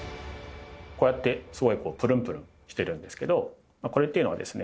こうやってすごいこうぷるんぷるんしてるんですけどこれっていうのはですね